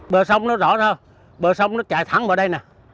bờ sông nó rõ ra bờ sông nó chạy thẳng vào đây nè